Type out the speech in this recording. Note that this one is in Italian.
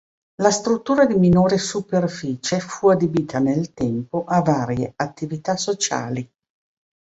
La struttura di minore superficie fu adibita nel tempo a varie attività sociali.